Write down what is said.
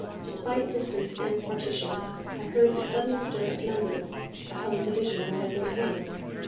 Despite distance and partition, I heard the sudden stir of numbers, a whole division rising at once.